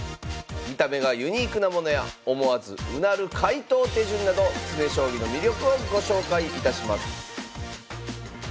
見た目がユニークなものや思わずうなる解答手順など詰将棋の魅力をご紹介いたします